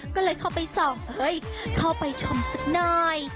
ก็เลยเข้าไปส่องเฮ้ยเข้าไปชมสักหน่อย